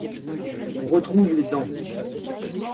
On retrouve les dents.